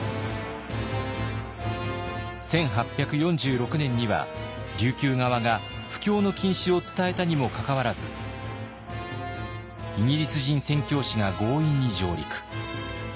１８４６年には琉球側が布教の禁止を伝えたにもかかわらずイギリス人宣教師が強引に上陸。